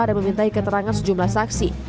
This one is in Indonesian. dan memintai keterangan sejumlah saksi